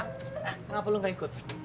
kenapa lu gak ikut